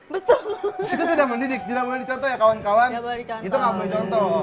betul sudah mendidik tidak boleh dicontoh ya kawan kawan ya boleh dicontoh itu nggak boleh contoh